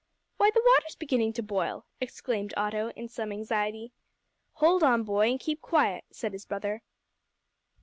"Why, the water's beginning to boil!" exclaimed Otto, in some anxiety. "Hold on, boy, and keep quiet," said his brother.